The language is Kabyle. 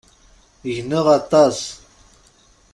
Gneɣ aṭas.